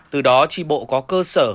từ đó chi bộ có cơ sở